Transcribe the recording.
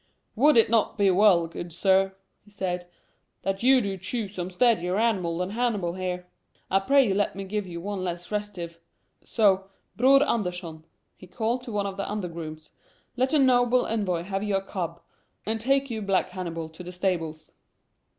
"Would it not be well, good sir," he said, "that you do choose some steadier animal than Hannibal here? I pray you let me give you one less restive. So, Bror Andersson," he called to one of the under grooms, "let the noble envoy have your cob, and take you back Hannibal to the stables."